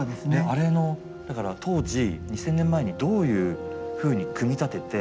あれのだから当時２，０００年前にどういうふうに組み立てて。